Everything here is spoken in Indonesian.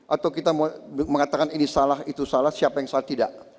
atau kita mau mengatakan ini salah itu salah siapa yang salah tidak